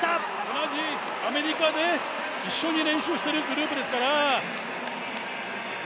同じアメリカで一緒に練習しているグループですから。